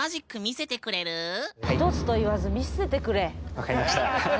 分かりました。